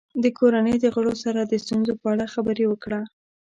د کورنۍ د غړو سره د ستونزو په اړه خبرې وکړه.